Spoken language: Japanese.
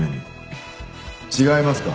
違いますか？